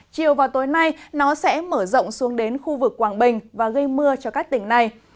chiều vào tối nay nó sẽ mở rộng xuống đến khu vực quảng bình và gây mưa cho các tỉnh này